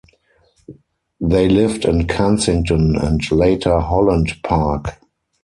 They lived in Kensington and later Holland Park.